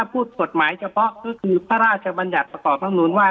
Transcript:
พูดกฎหมายเฉพาะก็คือพระราชบัญญัติประกอบธรรมนุนว่า